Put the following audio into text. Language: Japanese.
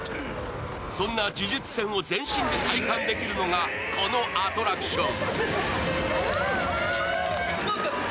そんな呪術戦を全身で体感できるのがこのアトラクション。